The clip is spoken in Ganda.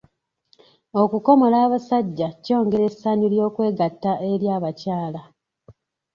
Okukomola abasajja kyongera essanyu ly'okwegatta eri abakyala.